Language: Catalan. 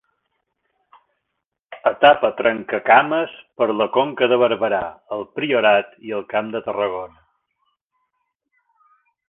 Etapa trencacames per la Conca de Barberà, el Priorat i el Camp de Tarragona.